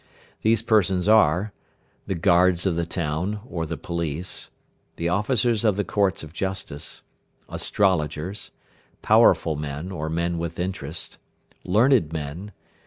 These persons are: The guards of the town, or the police. The officers of the courts of justice. Astrologers. Powerful men, or men with interest. Learned men.